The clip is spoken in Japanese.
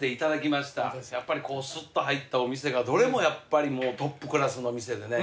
やっぱりこうすっと入ったお店がどれもやっぱりもうトップクラスの店でね